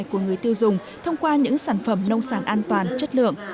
của người tiêu dùng thông qua những sản phẩm nông sản an toàn chất lượng